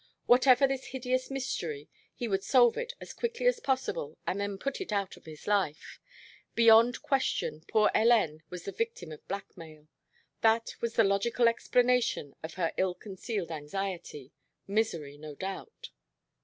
Whatever this hideous mystery he would solve it as quickly as possible and then put it out of his life. Beyond question poor Hélène was the victim of blackmail; that was the logical explanation of her ill concealed anxiety misery, no doubt!